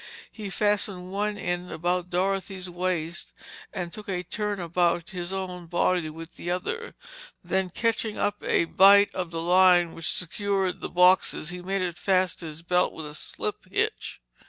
He fastened one end about Dorothy's waist and took a turn about his own body with the other. Then, catching up a bight of the line which secured the boxes he made it fast to his belt with a slip hitch.